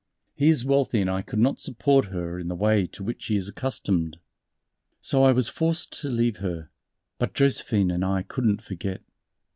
He is wealthy and I could not support her in the way to which she is accustomed. So I was forced to leave her. But Josephine and I couldn't forget.